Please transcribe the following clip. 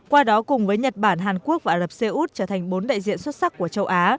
qua đó cùng với nhật bản hàn quốc và ả lập xê út trở thành bốn đại diện xuất sắc của châu á